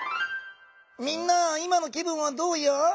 みんな今の気分はどうや？